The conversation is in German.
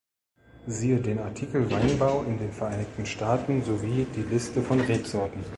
Siehe den Artikel Weinbau in den Vereinigten Staaten sowie die Liste von Rebsorten.